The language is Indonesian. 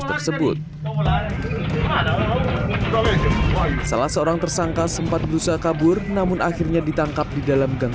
tersebut salah seorang tersangka sempat berusaha kabur namun akhirnya ditangkap di dalam gang